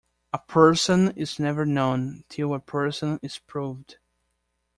A person is never known till a person is proved.